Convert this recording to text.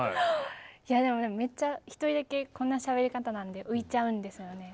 いやでもめっちゃ一人だけこんなしゃべり方なんで浮いちゃうんですよね。